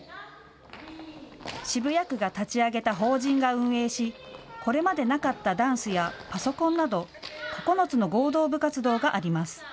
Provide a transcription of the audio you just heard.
渋谷区が立ち上げた法人が運営し、これまでなかったダンスやパソコンなど９つの合同部活動があります。